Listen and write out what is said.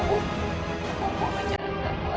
aku ingin menjaga